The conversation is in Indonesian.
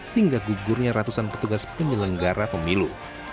hingga gugurnya ratusan petugas penyelenggara pemilu